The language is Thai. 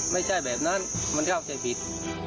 ไม่ใช่แบบนั้นมันเข้าใจผิด